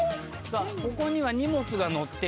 ここには荷物が載っている。